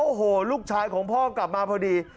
โอ้โหลูกชายของพ่อกลับมาพอดี